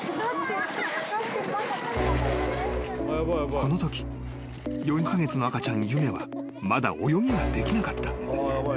［このとき４カ月の赤ちゃんゆめはまだ泳ぎができなかった］